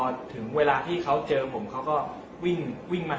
แล้วก็พอเล่ากับเขาก็คอยจับอย่างนี้ครับ